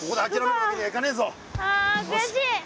ああ悔しい！